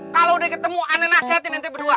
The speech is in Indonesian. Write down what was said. kalau udah ketemu aneh nasihatin nanti berdua